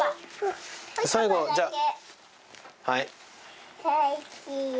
はい。